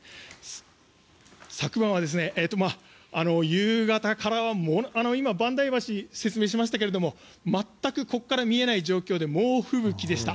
昨晩は夕方からは今、萬代橋説明しましたけれども全くここから見えない状況で猛吹雪でした。